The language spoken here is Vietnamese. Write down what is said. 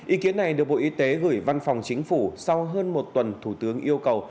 ý kiến này được bộ y tế gửi văn phòng chính phủ sau hơn một tuần thủ tướng yêu cầu